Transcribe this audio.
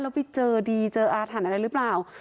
แล้วไปเจอดีเจออาถรรพ์อะไรหรือเปล่า